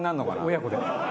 「親子で」